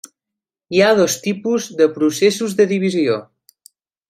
Hi ha dos tipus de processos de divisió.